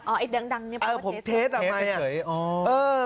อ๋อไอ้ดังนี่เปล่าว่าเทสลำโพง